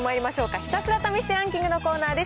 ひたすら試してランキングのコーナーです。